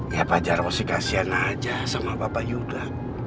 ya pajar pasti kasihan aja sama papa yudha